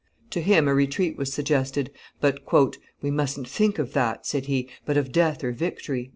To him a retreat was suggested; but, "We mustn't think of that," said he, "but of death or victory."